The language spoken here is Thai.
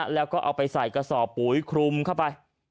แล้วก็เอาไปใส่กระสอบปุ๋ยคลุมเข้าไป